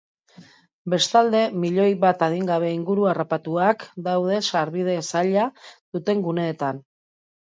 Bestalde, milioi bat adingabe inguru harrapatuak daude sarbide zaila duten guneetan.